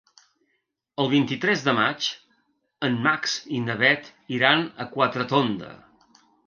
El vint-i-tres de maig en Max i na Bet iran a Quatretonda.